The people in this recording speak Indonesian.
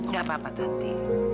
gak apa apa tante